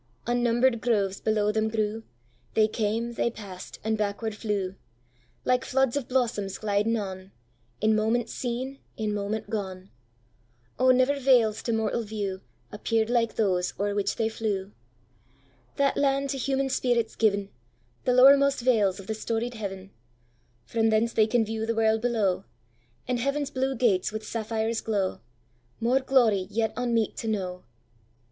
Unnumber'd groves below them grew, They came, they pass'd, and backward flew, Like floods of blossoms gliding on, In moment seen, in moment gone.O, never vales to mortal viewAppear'd like those o'er which they flew! That land to human spirits given, The lowermost vales of the storied heaven; From thence they can view the world below, And heaven's blue gates with sapphires glow, More glory yet unmeet to know.